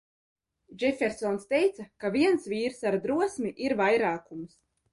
Džefersons teica, ka viens vīrs ar drosmi ir vairākums.